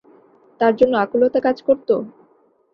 তার জন্য আকুলতা কাজ করতো?